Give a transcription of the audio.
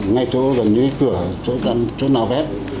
ngay chỗ gần như cửa chỗ nào vét